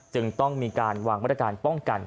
จึงต้องมีการวางมาตรการป้องกัน